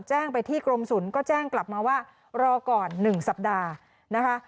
แจ้งไปที่กรมศูนย์ก็แจ้งกลับมาว่ารอก่อน๑สัปดาห์นะคะ